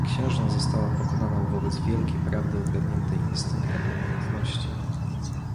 "Księżna została pokonaną wobec wielkiej prawdy odgadniętej instynktem namiętności."